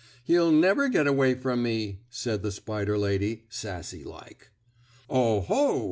"He'll never get away from me," said the spider lady, sassy like. "Oh, ho!